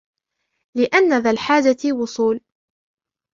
لِأَنَّ ذَا الْحَاجَةِ وُصُولٌ